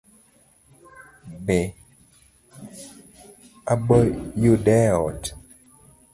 Be aboyude e ot?